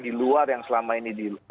di luar yang selama ini